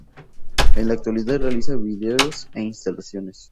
En la actualidad realiza videos e instalaciones.